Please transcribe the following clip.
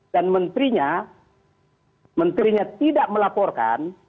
dan menterinya menterinya tidak melaporkan